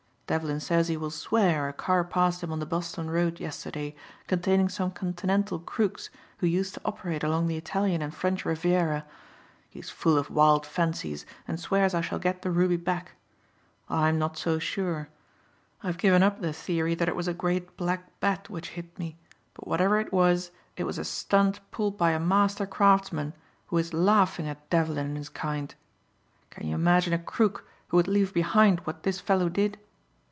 "Devlin says he will swear a car passed him on the Boston road yesterday containing some Continental crooks who used to operate along the Italian and French riviera. He's full of wild fancies and swears I shall get the ruby back. I'm not so sure. I've given up the theory that it was a great black bat which hit me, but whatever it was it was a stunt pulled by a master craftsman who is laughing at Devlin and his kind. Can you imagine a crook who would leave behind what this fellow did?